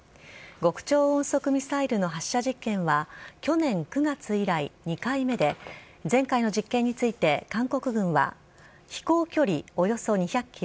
極超音速ミサイルの発射実験は去年９月以来、２回目で前回の実験について、韓国軍は飛行距離およそ２００ｋｍ